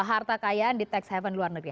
harta kekayaan di tax haven luar negeri